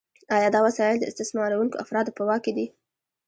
آیا دا وسایل د استثمارونکو افرادو په واک کې دي؟